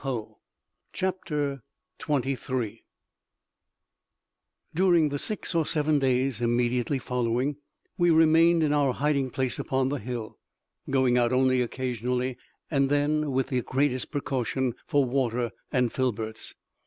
Tekeli li!" CHAPTER 23 During the six or seven days immediately following we remained in our hiding place upon the hill, going out only occasionally, and then with the greatest precaution, for water and filberts.